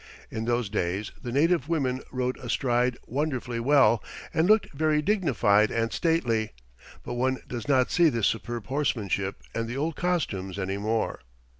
In those days the native women rode astride wonderfully well and looked very dignified and stately, but one does not see this superb horsemanship and the old costumes any more.